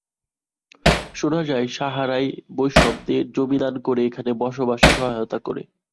শোনা যায়, সাহারা-ই বৈষ্ণবদের জমি দান করে এখানে বসবাসে সহায়তা করে।